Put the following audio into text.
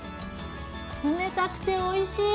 冷たくておいしい！